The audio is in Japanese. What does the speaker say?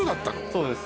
そうです